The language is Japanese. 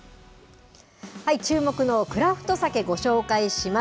注目のクラフトサケ、ご紹介します。